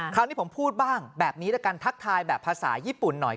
คราวนี้ผมพูดบ้างแบบนี้ด้วยกันทักทายแบบภาษาญี่ปุ่นหน่อย